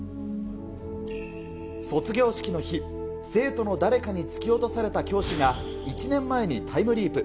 卒業式の日、生徒の誰かに突き落とされた教師が、１年前にタイムリープ。